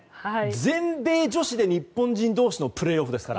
全米女子で日本人同士のプレーオフですから。